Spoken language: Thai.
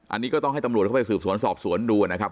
อันนี้ก็ต้องให้ตำรวจเข้าไปสืบสวนสอบสวนดูนะครับ